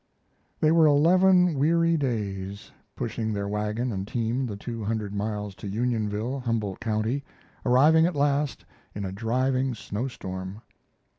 They were eleven weary days pushing their wagon and team the two hundred miles to Unionville, Humboldt County, arriving at last in a driving snow storm.